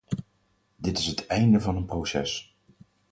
Dit is het einde van een proces.